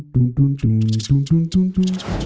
ตุ้มตุ้มตุ้มตุ้มตุ้ม